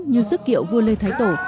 như sức kiệu vua lê thái tổ